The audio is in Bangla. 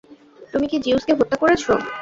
তুমি জিউসকে হত্যা করেছ।